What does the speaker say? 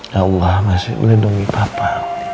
ya allah masih melindungi papa